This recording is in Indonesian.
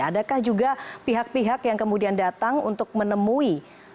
adakah juga pihak pihak yang kemudian datang untuk menemui